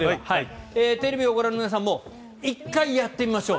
テレビをご覧の皆さんも１回やってみましょう。